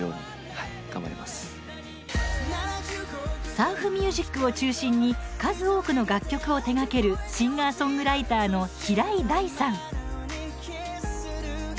サーフミュージックを中心に、数多くの楽曲を手がけるシンガーソングライターの平井大さん。